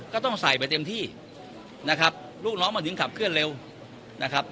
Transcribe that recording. ก็ต้องใส่ไปเต็มที่นะครับลูกน้องมันถึงขับเคลื่อนเร็วนะครับ